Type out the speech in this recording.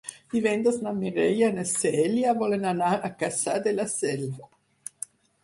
Divendres na Mireia i na Cèlia volen anar a Cassà de la Selva.